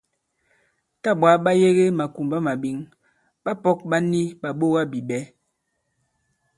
Tâ ɓwǎ ɓa yege ɓàkùmbamàɓěŋ, ɓapɔ̄k ɓa ni ɓàɓogabìɓɛ̌.